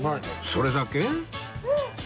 それだけ？